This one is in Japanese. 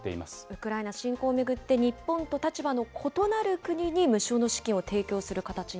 ウクライナ侵攻を巡って、日本と立場の異なる国に無償の資金